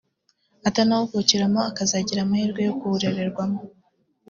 atanawuvukiramo akazagira amahirwe yo kuwurererwamo